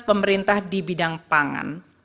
pemerintah di bidang pangan